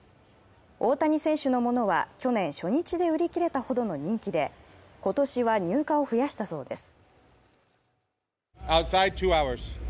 大谷選手のものは去年、初日で売り切れたほどの人気で今年は入荷を増やしたそうです。